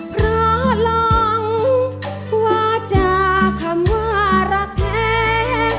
เพราะลองว่าจากคำว่ารักแท้